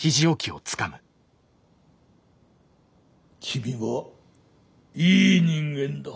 君はいい人間だ。